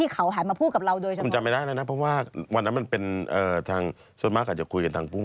ค้ากลับจากบ้านลุงจรูล